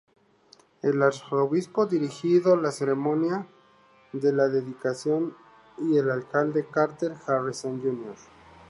El arzobispo dirigió la ceremonia de la dedicación y el alcalde Carter Harrison Jr.